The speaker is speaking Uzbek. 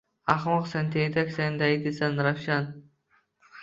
„Ahmoqsan, tentaksan, daydisan Ravshan…“